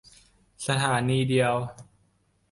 สถานีเดียว